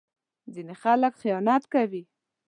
ځینې خلک خیانت کوي.